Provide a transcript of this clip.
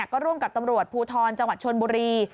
ก็ร่วมกับตำรวจภูทรจังหวัดชนบุรี